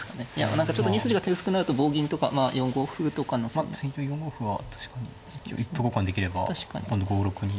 何かちょっと２筋が手薄くなると棒銀とか４五歩とかの。突いて４五歩は確かに一歩交換できれば今度５六に。